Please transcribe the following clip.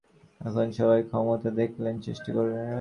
এখন সবাই ক্ষমতা দখলের চেষ্টা করবে।